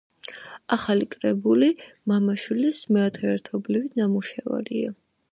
ახალი კრებული, მამა-შვილის მეათე ერთობლივი ნამუშევარია.